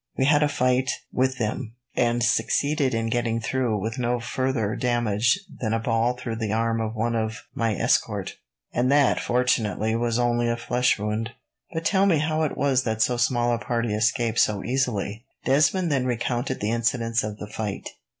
We had a fight with them, and succeeded in getting through with no further damage than a ball through the arm of one of my escort, and that, fortunately, was only a flesh wound." "But tell me how it was that so small a party escaped so easily?" Desmond then recounted the incidents of the fight.